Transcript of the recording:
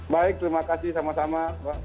baik terima kasih sama sama